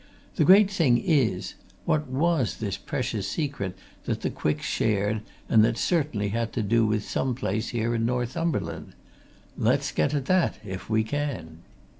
The great thing is what was this precious secret that the Quicks shared, and that certainly had to do with some place here in Northumberland? Let's get at that if we can."